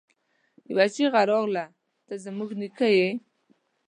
يوه چيغه راغله! ته زموږ نيکه يې!